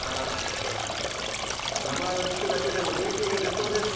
名前を聞くだけでも元気が出そうです